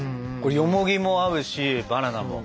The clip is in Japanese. よもぎも合うしバナナも。